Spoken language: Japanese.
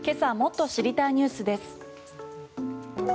今朝もっと知りたいニュースです。